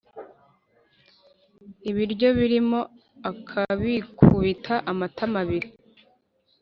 ibiryo birimo akabikubita amatama abiri,